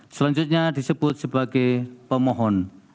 selanjutnya disebut sebagai pemohon